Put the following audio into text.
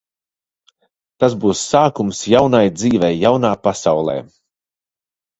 Tas būs sākums jaunai dzīvei jaunā pasaulē.